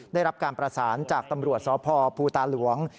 ได้รับการประสานจากตำรวจสพภูตาหลวง